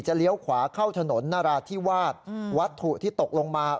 เลี้ยวขวาเข้าถนนนราธิวาสวัตถุที่ตกลงมา